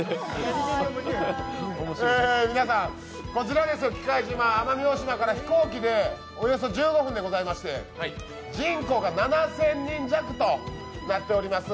こちら、喜界島奄美大島から飛行機でおよそ１５分でございまして人口が７０００人弱となっております。